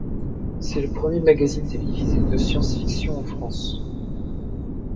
C'est le premier magazine télévisé de science-fiction en France.